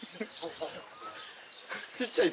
ちっちゃいで。